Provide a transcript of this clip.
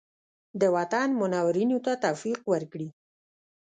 د وطن منورینو ته توفیق ورکړي.